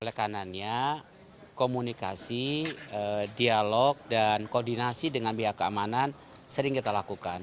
oleh kanannya komunikasi dialog dan koordinasi dengan pihak keamanan sering kita lakukan